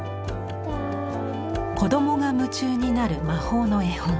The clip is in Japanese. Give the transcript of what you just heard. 子どもが夢中になる魔法の絵本。